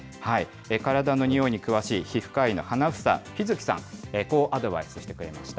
体のにおいに詳しい、皮膚科医の花房火月さん、こうアドバイスしてくれました。